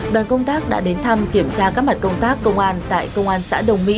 đoàn công tác đã đến thăm kiểm tra các mặt công tác công an tại công an xã đồng mỹ